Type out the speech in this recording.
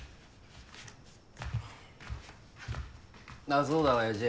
あそうだ親父。